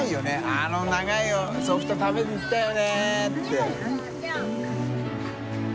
あの長いソフト食べに行ったよねって。